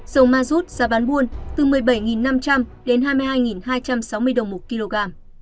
dầu mazut giá bán buôn từ một mươi bảy năm trăm linh đồng đến hai mươi hai hai trăm sáu mươi đồng một kg